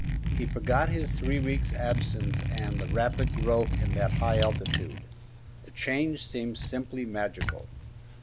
He forgot his three weeks' absence and the rapid growth in that high altitude; the change seemed simply magical.